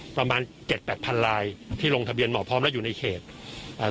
ประมาณเจ็ดแปดพันลายที่ลงทะเบียนหมอพร้อมแล้วอยู่ในเขตอ่า